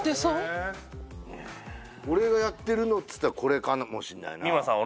俺がやってるのっつったらこれかもしんないな三村さん